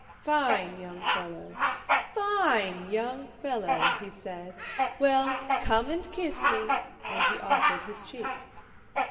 "Fine young fellow! Fine young fellow!" he said. "Well, come and kiss me," and he offered his cheek.